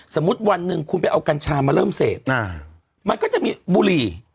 สมมุติวันหนึ่งคุณไปเอากัญชามาเริ่มเสพมันก็จะมีบุหรี่